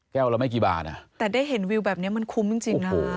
ละไม่กี่บาทอ่ะแต่ได้เห็นวิวแบบนี้มันคุ้มจริงจริงนะ